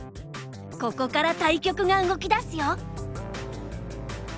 ここから対局が動き出すよ。